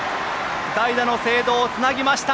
代打の清藤、つなぎました。